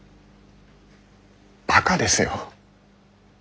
バカですよ。